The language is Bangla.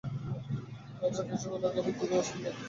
রাজা কিছু না বলিয়া গভীর দীর্ঘনিশ্বাস ফেলিলেন।